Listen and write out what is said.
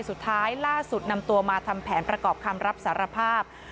สุดท้ายล่าสุดนำตัวมาทำแผนประกอบคำรับสารภาพ